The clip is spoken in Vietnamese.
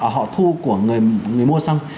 họ thu của người mua xong